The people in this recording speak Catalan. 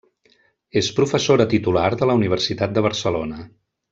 És professora titular de la Universitat de Barcelona.